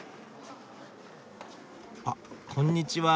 あっこんにちは。